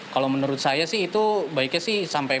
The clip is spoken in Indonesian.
kalau menurut saya sih itu baiknya sih sampai